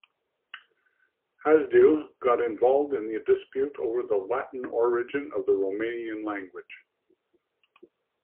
Hasdeu got involved in the dispute over the Latin origin of the Romanian language.